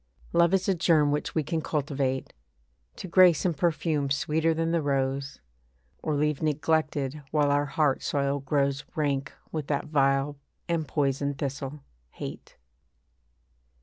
Love is a germ which we can cultivate To grace and perfume sweeter than the rose, Or leave neglected while our heart soil grows Rank with that vile and poison thistle, hate.